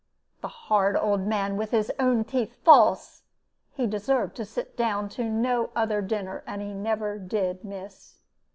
The hard old man, with his own teeth false! He deserved to sit down to no other dinner and he never did, miss.